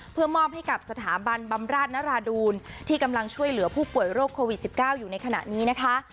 เพื่อมอบให้กับสถาบันบำราชนราดูนที่กำลังช่วยเหลือผู้ป่วยโรคโควิด๑๙อยู่ในขณะนี้นะคะ